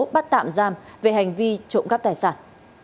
bắt tạm giam về hành vi trộm cắp tài sản